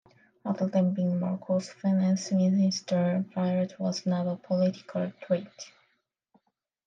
Other than being Marcos' finance minister, Virata was not a political threat.